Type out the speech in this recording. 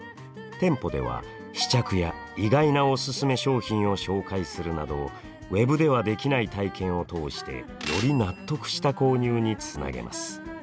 店舗では試着や意外なおすすめ商品を紹介するなどＷＥＢではできない体験を通してより納得した購入につなげます。